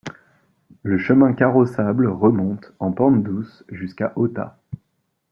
Le chemin carrossable remonte, en pente douce jusqu’à Ota.